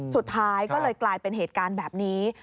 สุดท้ายก็เลยกลายเป็นเหตุการณ์แบบนี้